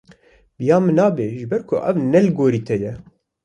Bi ya min nabe ji ber ku ev ne li gorî te ye.